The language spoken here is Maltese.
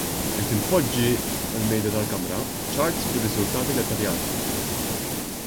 Qed inpoġġi fuq il-Mejda tal-Kamra charts bir-riżultati dettaljati.